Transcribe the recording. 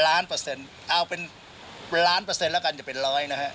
ล้านเปอร์เซ็นต์เอาเป็นล้านเปอร์เซ็นต์แล้วกันอย่าเป็นร้อยนะฮะ